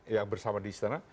yang bersama di istana